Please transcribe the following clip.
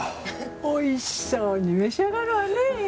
おいしそうにめしあがるわね！